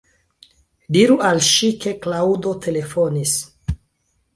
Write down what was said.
Diru al ŝi ke Klaŭdo telefonis.